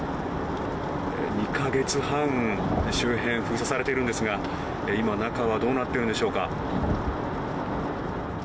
２か月半周辺、封鎖されているんですが今、中はどうなっているんでしょうか。